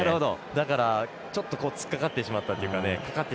だから、ちょっとつっかかってしまったというか。